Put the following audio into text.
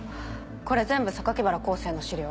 これ全部原康生の資料？